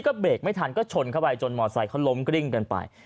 ก็เบรกไม่ทันก็ชนเข้าไปจนมอเซเขาล้มกริ้งกันไป